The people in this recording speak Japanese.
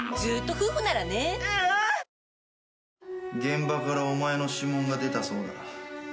現場からお前の指紋が出たそうだ。